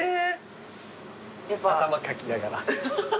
頭かきながら。